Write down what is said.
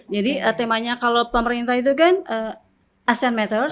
jadi temanya kalau pemerintah itu kan asean matters